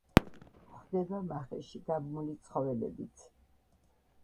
გვხვდება მახეში გაბმული ცხოველებიც.